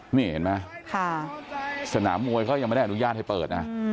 เห็นมั้ยสนามมวยเค้ายังไม่ได้อนุญาตให้เปิด